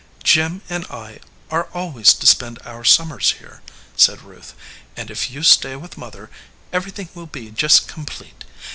"Jim and I .are always to spend our summers here," said Ruth; "and if you stay with mother, everything will be just complete.